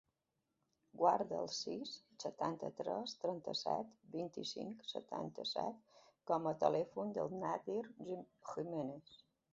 Guarda el sis, setanta-tres, trenta-set, vint-i-cinc, setanta-set com a telèfon del Nadir Gimenez.